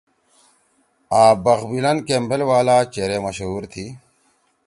آں بخت بلند کیمبیل والا چیرے مشہُور تھی۔